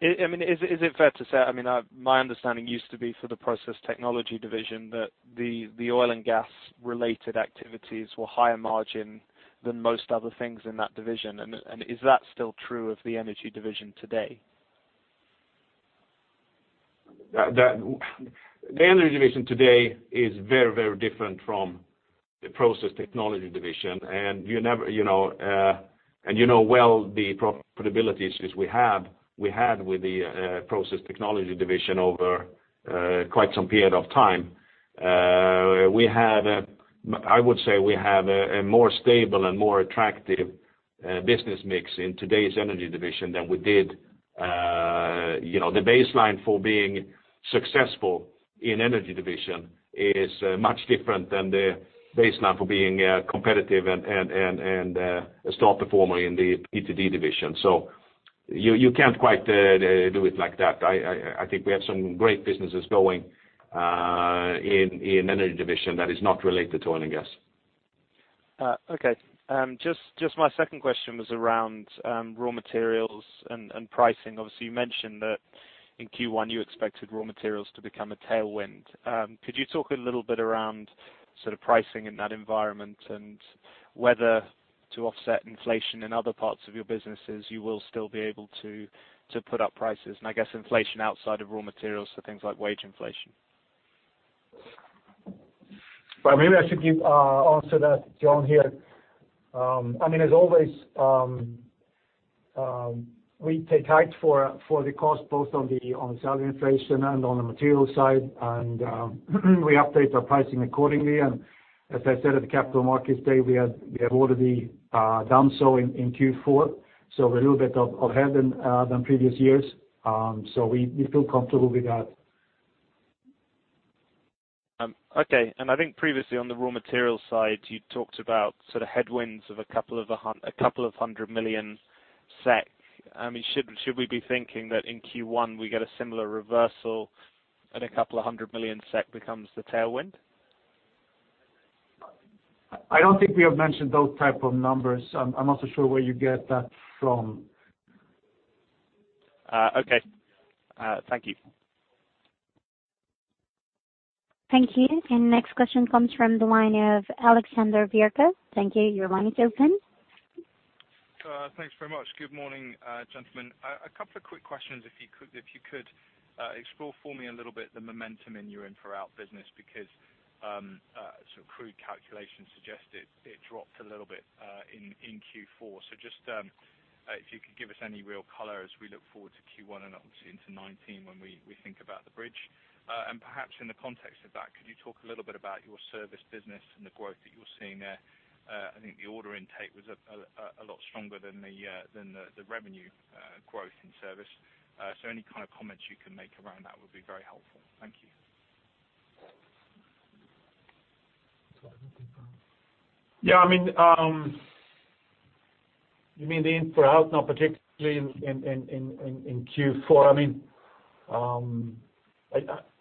I think that's it then. Is it fair to say, my understanding used to be for the process technology division, that the oil and gas related activities were higher margin than most other things in that division? Is that still true of the Energy Division today? The Energy Division today is very different from the process technology division, and you know well the profitability issues we had with the process technology division over quite some period of time. I would say we have a more stable and more attractive business mix in today's Energy Division than we did. The baseline for being successful in Energy Division is much different than the baseline for being competitive and a star performer in the PTD division. You can't quite do it like that. I think we have some great businesses going in Energy Division that is not related to oil and gas. Okay. Just my second question was around raw materials and pricing. Obviously, you mentioned that in Q1 you expected raw materials to become a tailwind. Could you talk a little bit around pricing in that environment and whether to offset inflation in other parts of your businesses, you will still be able to put up prices, and I guess inflation outside of raw materials, so things like wage inflation? Well, maybe I should answer that, Jan, here. As always, we take height for the cost, both on the salary inflation and on the material side, and we update our pricing accordingly. As I said at the Capital Markets Day, we have already done so in Q4. We're a little bit ahead than previous years. We feel comfortable with that. Okay. I think previously on the raw material side, you talked about headwinds of SEK a couple of hundred million. Should we be thinking that in Q1 we get a similar reversal and SEK a couple of hundred million becomes the tailwind? I don't think we have mentioned those type of numbers. I'm not so sure where you get that from. Okay. Thank you. Thank you. Next question comes from the line of Alexander Virgo. Thank you. Your line is open. Thanks very much. Good morning, gentlemen. A couple of quick questions, if you could explore for me a little bit the momentum in your in-for-out business, because some crude calculations suggest it dropped a little bit in Q4. Just if you could give us any real color as we look forward to Q1 and obviously into 2019 when we think about the bridge. Perhaps in the context of that, could you talk a little bit about your service business and the growth that you're seeing there? I think the order intake was a lot stronger than the revenue growth in service. Any kind of comments you can make around that would be very helpful. Thank you. Yeah. You mean the in-for-out, not particularly in Q4.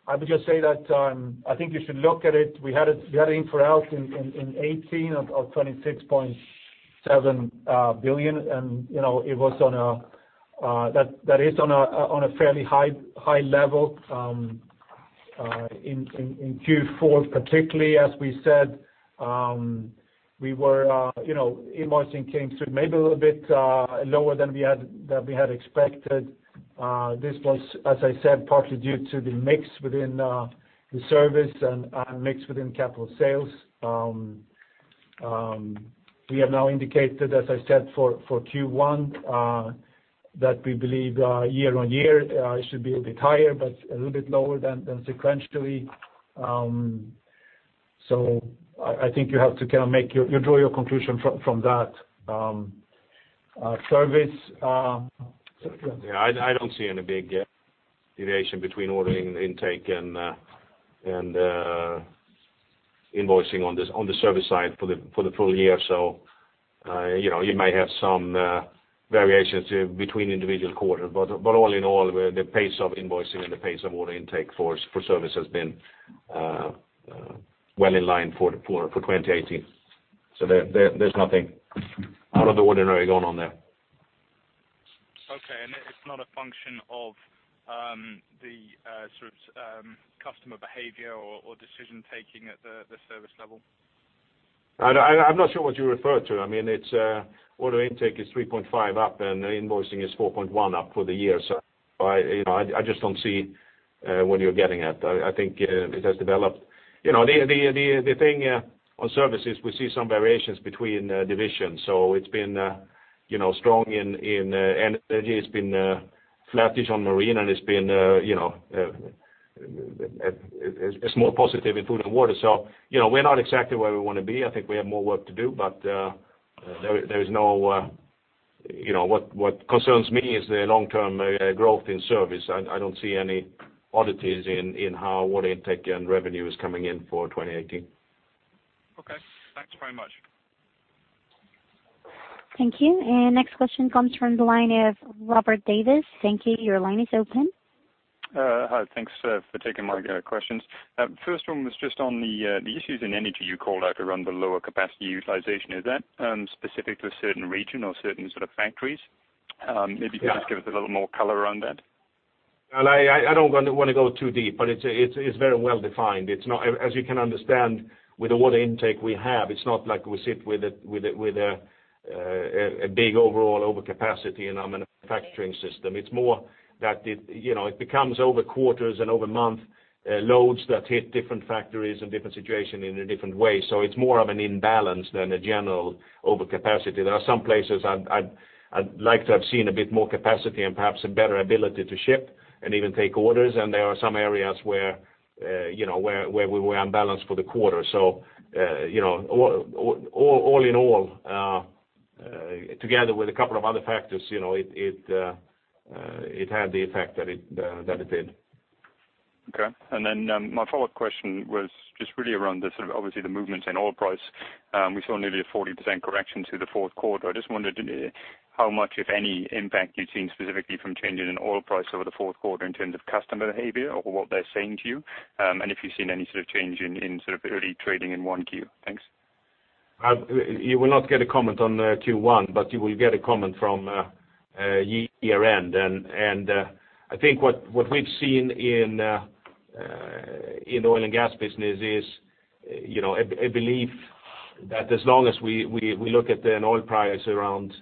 I would just say that I think you should look at it. We had in-for-out in 2018 of 26.7 billion, and that is on a fairly high level in Q4 particularly, as we said, invoicing came through maybe a little bit lower than we had expected. This was, as I said, partly due to the mix within the service and mix within capital sales. We have now indicated, as I said, for Q1 that we believe year-over-year it should be a bit higher, but a little bit lower than sequentially. You draw your conclusion from that. Yeah, I don't see any big deviation between ordering intake and invoicing on the service side for the full year. You may have some variations between individual quarters, but all in all, the pace of invoicing and the pace of order intake for service has been well in line for 2018. There's nothing out of the ordinary going on there. Okay, it's not a function of the customer behavior or decision taking at the service level? I'm not sure what you refer to. Order intake is 3.5% up and invoicing is 4.1% up for the year, I just don't see what you're getting at. I think it has developed. The thing on service is we see some variations between divisions. It's been strong in Energy, it's been flattish on Marine, and it's more positive in Food & Water. We're not exactly where we want to be. I think we have more work to do. What concerns me is the long-term growth in service. I don't see any oddities in how order intake and revenue is coming in for 2018. Okay. Thanks very much. Thank you. Next question comes from the line of Robert Davis. Thank you. Your line is open. Hi. Thanks for taking my questions. First one was just on the issues in Energy you called out around the lower capacity utilization. Is that specific to a certain region or certain factories? Maybe if you can just give us a little more color around that. I don't want to go too deep, it's very well-defined. As you can understand, with the order intake we have, it's not like we sit with a big overall overcapacity in our manufacturing system. It's more that it becomes over quarters and over month loads that hit different factories and different situation in a different way. It's more of an imbalance than a general overcapacity. There are some places I'd like to have seen a bit more capacity and perhaps a better ability to ship and even take orders, and there are some areas where we were unbalanced for the quarter. All in all, together with a couple of other factors, it had the effect that it did. My follow-up question was just really around the movement in oil price. We saw nearly a 40% correction to the fourth quarter. I just wondered how much, if any impact you've seen specifically from change in oil price over the fourth quarter in terms of customer behavior or what they're saying to you, and if you've seen any change in early trading in 1Q. Thanks. You will not get a comment on Q1. You will get a comment from year-end. I think what we've seen in oil and gas business is a belief that as long as we look at an oil price around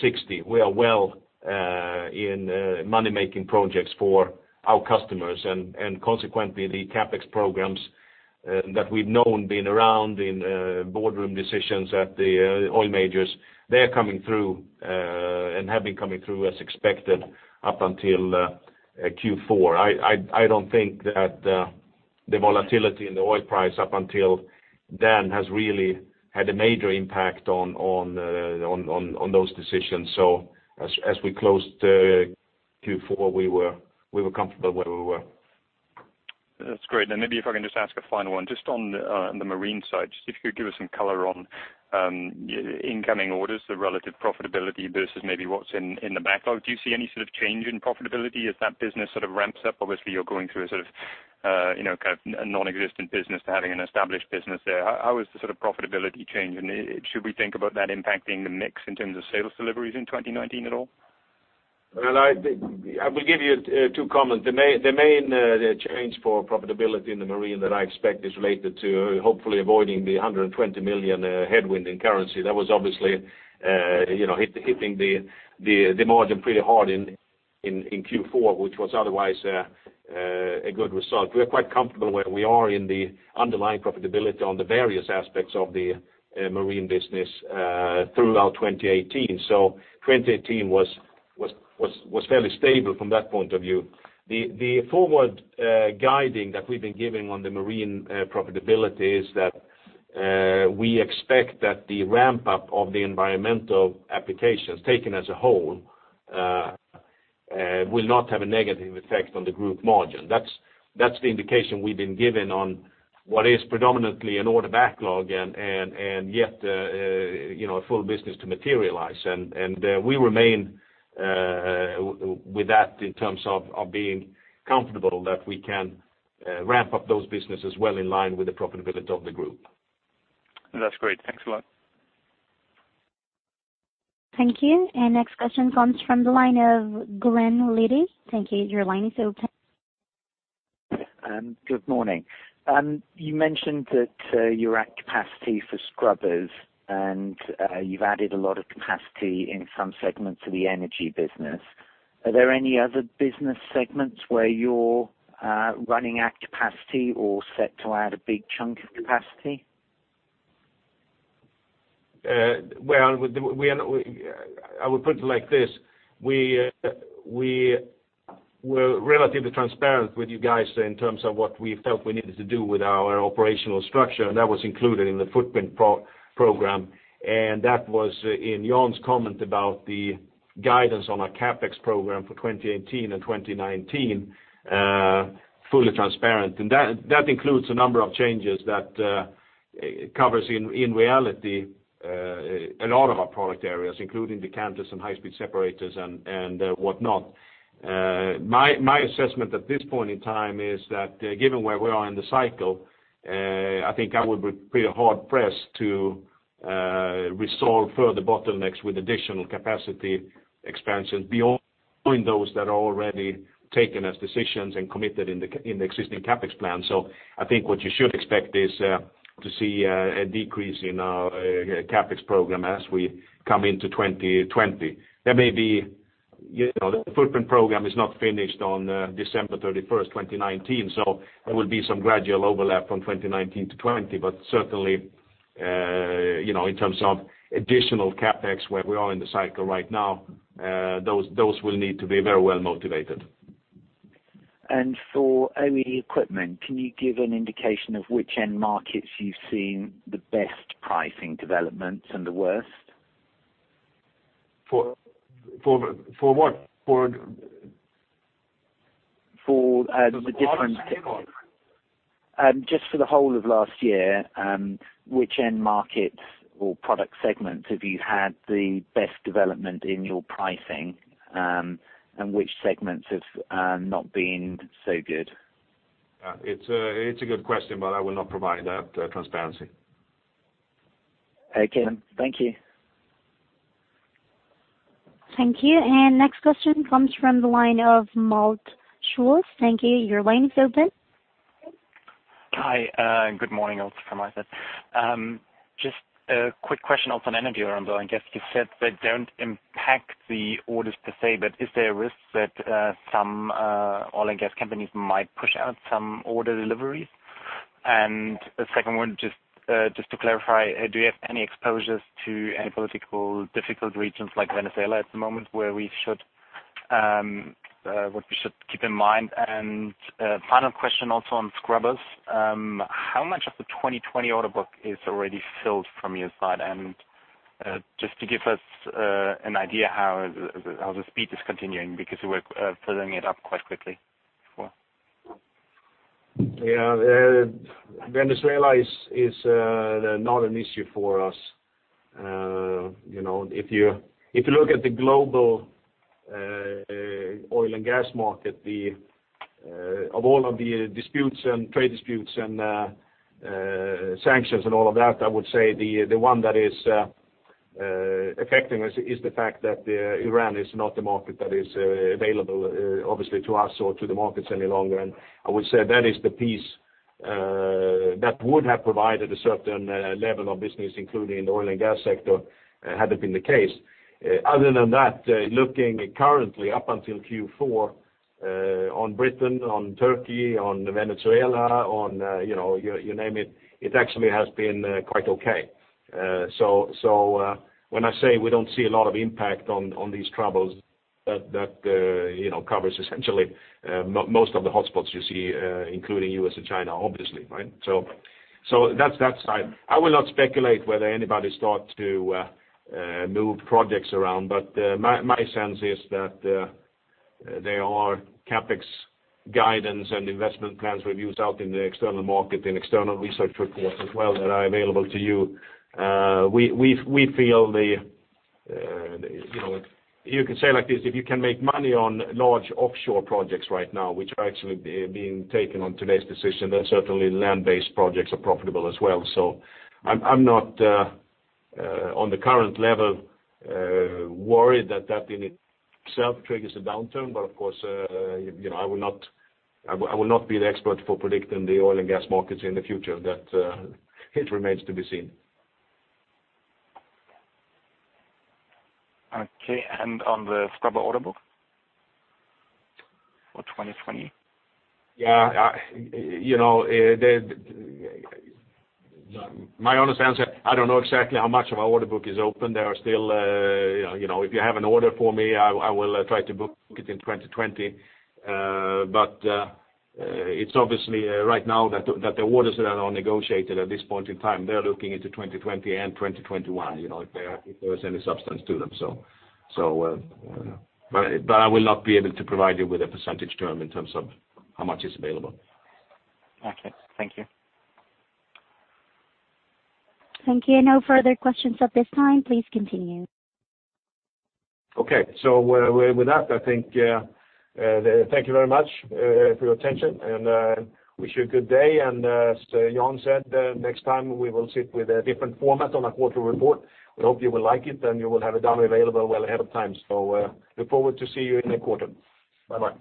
60, we are well in money-making projects for our customers, and consequently, the CapEx programs that we've known been around in boardroom decisions at the oil majors, they're coming through and have been coming through as expected up until Q4. I don't think that the volatility in the oil price up until then has really had a major impact on those decisions. As we closed Q4, we were comfortable where we were. That's great. Maybe if I can just ask a final one, just on the marine side, just if you could give us some color on incoming orders, the relative profitability versus maybe what's in the backlog. Do you see any change in profitability as that business ramps up? Obviously, you're going through a kind of nonexistent business to having an established business there. How is the profitability change, and should we think about that impacting the mix in terms of sales deliveries in 2019 at all? I will give you two comments. The main change for profitability in the marine that I expect is related to hopefully avoiding the 120 million headwind in currency. That was obviously hitting the margin pretty hard in Q4, which was otherwise a good result. We are quite comfortable where we are in the underlying profitability on the various aspects of the marine business throughout 2018. 2018 was fairly stable from that point of view. The forward guiding that we've been giving on the marine profitability is that we expect that the ramp-up of the environmental applications taken as a whole will not have a negative effect on the group margin. That's the indication we've been given on what is predominantly an order backlog, and yet a full business to materialize. We remain with that in terms of being comfortable that we can ramp up those businesses well in line with the profitability of the group. That's great. Thanks a lot. Thank you. Next question comes from the line of Glen Liddy. Thank you. Your line is open. Good morning. You mentioned that you're at capacity for scrubbers, you've added a lot of capacity in some segments of the Energy Division. Are there any other business segments where you're running at capacity or set to add a big chunk of capacity? Well, I would put it like this. We were relatively transparent with you guys in terms of what we felt we needed to do with our operational structure, and that was included in the footprint program. That was in Jan's comment about the guidance on a CapEx program for 2018 and 2019, fully transparent. That includes a number of changes that covers in reality a lot of our product areas, including decanters and high-speed separators and whatnot. My assessment at this point in time is that, given where we are in the cycle, I think I would be pretty hard pressed to resolve further bottlenecks with additional capacity expansions beyond those that are already taken as decisions and committed in the existing CapEx plan. I think what you should expect is to see a decrease in our CapEx program as we come into 2020. The footprint program is not finished on December 31st, 2019, there will be some gradual overlap from 2019 to 2020. Certainly, in terms of additional CapEx where we are in the cycle right now, those will need to be very well motivated. For OE equipment, can you give an indication of which end markets you've seen the best pricing developments and the worst? For what? For the different. Products or? Just for the whole of last year, which end markets or product segments have you had the best development in your pricing, and which segments have not been so good? It's a good question, but I will not provide that transparency. Okay. Thank you. Thank you. Next question comes from the line of Malte Schulz. Thank you. Your line is open. Hi, good morning. Also from ISAT]. Just a quick question on some energy around oil and gas. You said they don't impact the orders per se, but is there a risk that some oil and gas companies might push out some order deliveries? A second one, just to clarify, do you have any exposures to any political difficult regions like Venezuela at the moment, what we should keep in mind? Final question also on scrubbers. How much of the 2020 order book is already filled from your side? Just to give us an idea how the speed is continuing, because you were filling it up quite quickly before. Yeah. Venezuela is not an issue for us. If you look at the global oil and gas market, of all of the disputes and trade disputes and sanctions and all of that, I would say the one that is affecting us is the fact that Iran is not the market that is available, obviously to us or to the markets any longer. I would say that is the piece that would have provided a certain level of business, including in the oil and gas sector, had that been the case. Other than that, looking currently up until Q4 on Britain, on Turkey, on Venezuela, on you name it actually has been quite okay. When I say we don't see a lot of impact on these troubles, that covers essentially most of the hotspots you see including U.S. and China, obviously, right? That's that side. I will not speculate whether anybody start to move projects around, but my sense is that there are CapEx guidance and investment plans reviews out in the external market, in external research reports as well that are available to you. You can say like this, if you can make money on large offshore projects right now, which are actually being taken on today's decision, then certainly land-based projects are profitable as well. I'm not on the current level worried that that in itself triggers a downturn. Of course, I will not be the expert for predicting the oil and gas markets in the future. That it remains to be seen. Okay. On the scrubber order book for 2020? Yeah. My honest answer, I don't know exactly how much of our order book is open. If you have an order for me, I will try to book it in 2020. It's obviously right now that the orders that are negotiated at this point in time, they're looking into 2020 and 2021, if there is any substance to them. I will not be able to provide you with a percentage term in terms of how much is available. Okay. Thank you. Thank you. No further questions at this time. Please continue. With that, I think, thank you very much for your attention and wish you a good day. As Jan said, next time we will sit with a different format on a quarterly report. We hope you will like it, and you will have it done available well ahead of time. Look forward to see you in a quarter. Bye-bye.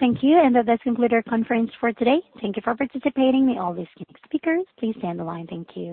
Thank you. That does conclude our conference for today. Thank you for participating. We all listening speakers, please stay on the line. Thank you